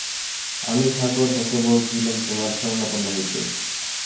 আমি ঠাকুরপোকে বলছিলুম তোমার শরণাপন্ন হতে।